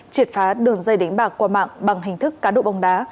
triệt phá đường dây đánh bạc qua mạng bằng hình thức cá độ bóng đá